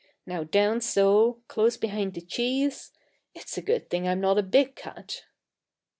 Now down so: close behind the cheese. It's a good thing I'm not a big cat.